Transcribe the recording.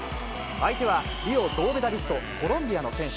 相手はリオ銅メダリスト、コロンビアの選手。